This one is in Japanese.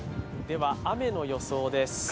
では、雨の予想です。